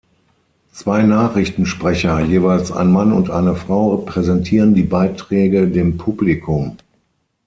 Zwei Nachrichtensprecher, jeweils ein Mann und eine Frau, präsentieren die Beiträge dem Publikum.